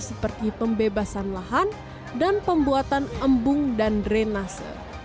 seperti pembebasan lahan dan pembuatan embung dan drenase